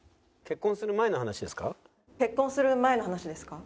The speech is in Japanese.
結婚する前の話ですか？